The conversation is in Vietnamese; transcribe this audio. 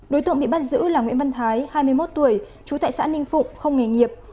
đối tượng bị bắt giữ là nguyễn văn thái hai mươi một tuổi chú tại xã ninh phụng không nghề nghiệp